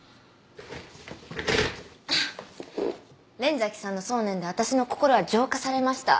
連崎さんの送念で私の心は浄化されました。